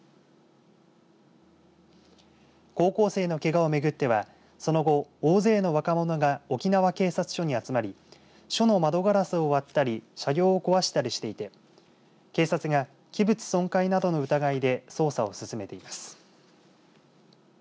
高校生のけがを巡ってはその後、大勢の若者が沖縄警察署に集まり署の窓ガラスを割ったり車両を壊したりしていて警察が器物損害など疑いで捜査を進めています。